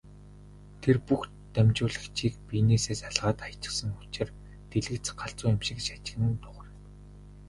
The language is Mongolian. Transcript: Тэр бүх дамжуулагчийг биенээсээ салгаад хаячихсан учир дэлгэц галзуу юм шиг шажигнан дуугарна.